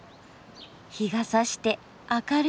日がさして明るい。